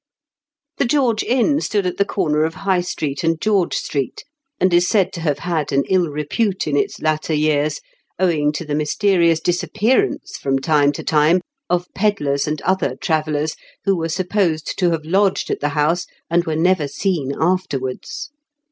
The George Inn stood at the comer of High Street and George Street, and is said to have had an ill repute in its latter years, owing to the mysterious disappearance, from time to time, of pedlars and other travellers who were supposed to have lodged at the house, and were never seen afterwards.